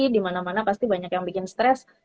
dimana mana pasti banyak yang bikin stress